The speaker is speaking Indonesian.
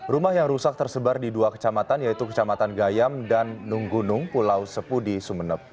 rumah yang rusak tersebar di dua kecamatan yaitu kecamatan gayam dan nunggunung pulau sepudi sumeneb